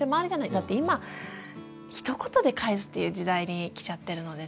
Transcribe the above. だって今ひと言で返すっていう時代に来ちゃってるのでね。